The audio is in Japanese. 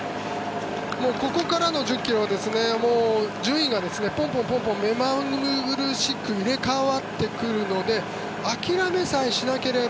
ここからの１０ｋｍは順位がポンポン目まぐるしく入れ替わってくるので諦めさえしなければ。